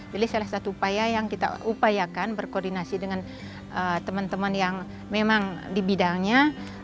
jadi salah satu upaya yang kita upayakan berkoordinasi dengan teman teman yang memang di bidangnya